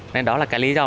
nên đó là cái lý do